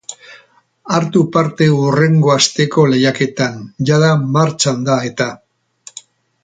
Hartu partehurrengo asteko lehiaketan, jada martxan da eta!